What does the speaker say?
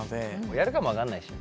やるかも分かんないしね。